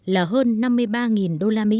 là hơn năm mươi ba usd